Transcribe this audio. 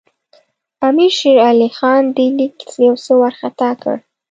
امیر شېر علي خان دې لیک یو څه وارخطا کړ.